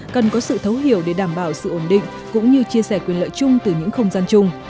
cần có sự thấu hiểu để đảm bảo sự ổn định cũng như chia sẻ quyền lợi chung từ những không gian chung